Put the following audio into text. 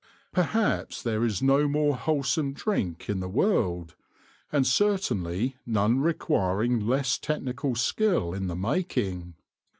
Perhaps there is no more wholesome drink in the world, and certainly none re quiring less technical skill in the making.